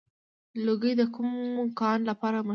لوګر د کوم کان لپاره مشهور دی؟